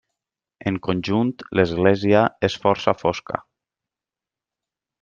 En conjunt l'església és força fosca.